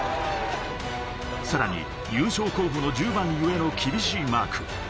さらに優勝候補の１０番への厳しいマーク。